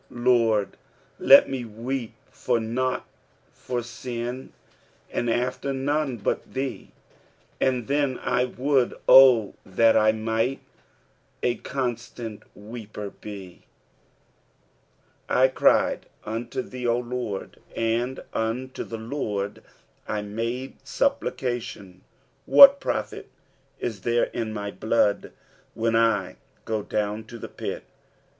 " Lord, let me weep for nought for sin I And stter none but Ihcu t And tben I wonid— O tlist 1 might, • A constant Keeper twl" 8 I cried to thee, O Lord ; and unto the Lord I made suppli cation. 9 What profit is there in my blood, when I go down to the pit